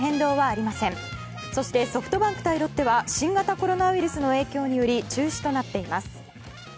ソフトバンク対ロッテは新型コロナウイルスの影響により中止となっています。